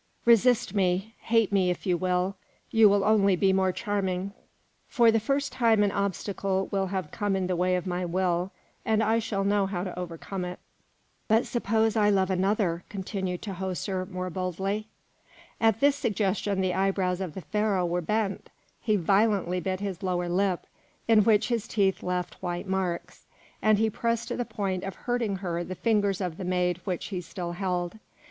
Resist me, hate if you will, you will only be more charming; for the first time an obstacle will have come in the way of my will, and I shall know how to overcome it." "But suppose I love another?" continued Tahoser, more boldly. At this suggestion the eyebrows of the Pharaoh were bent; he violently bit his lower lip, in which his teeth left white marks, and he pressed to the point of hurting her the fingers of the maid which he still held.